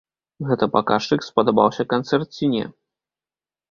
Гэта паказчык, спадабаўся канцэрт ці не.